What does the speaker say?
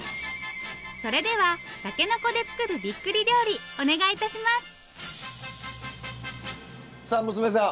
それではたけのこで作るびっくり料理お願いいたしますさあ娘さん。